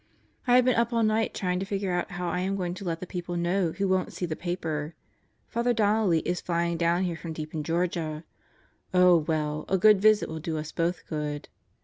I have been up all night trying to figure out how I am going to let the people know who won't see the paper. Father Donnelly is flying down here from deep in Georgia. Oh, well, a good visit will do us both good.